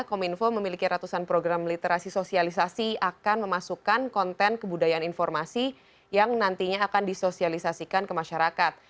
kominfo memiliki ratusan program literasi sosialisasi akan memasukkan konten kebudayaan informasi yang nantinya akan disosialisasikan ke masyarakat